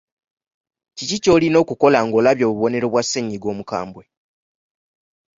Kiki ky’olina okukola ng’olabye obubonero bwa ssennyiga omukambwe?